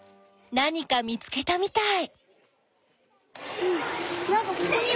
何か見つけたみたい！